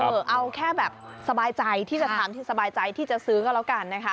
เอาแค่แบบสบายใจที่จะทำที่สบายใจที่จะซื้อก็แล้วกันนะคะ